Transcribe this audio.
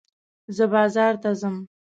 زه بازار ته ځم.